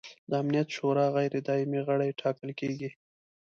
د امنیت شورا غیر دایمي غړي ټاکل کیږي.